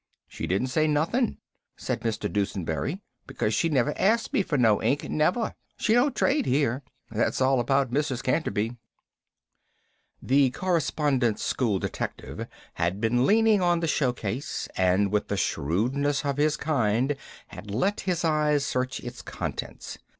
"She didn't say nothin'," said Mr. Dusenberry, "because she never asked me for no ink, never! She don't trade here. That's all about Mrs. Canterby." The Correspondence School detective had been leaning on the show case, and with the shrewdness of his kind had let his eyes search its contents.